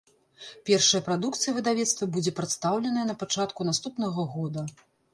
Першая прадукцыя выдавецтва будзе прадстаўленая на пачатку наступнага года.